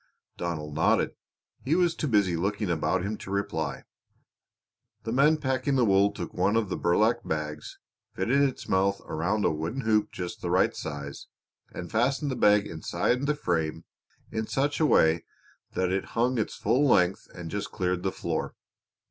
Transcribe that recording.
Donald nodded. He was too busy looking about him to reply. The men packing the wool took one of the burlap bags, fitted its mouth over a wooden hoop just the right size, and fastened the bag inside the frame in such a way that it hung its full length and just cleared the floor.